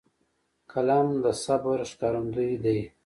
قلم د صبر ښکارندوی دی